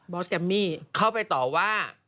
บอสกัมมิเข้าไปตอว่า